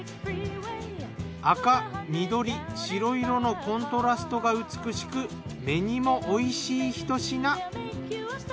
赤緑白色のコントラストが美しく目にもおいしいひと品。